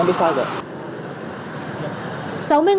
em còn mập thôi